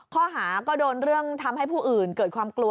ข้อหาก็โดนเรื่องทำให้ผู้อื่นเกิดความกลัว